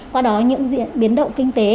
qua đó những diễn biến động kinh tế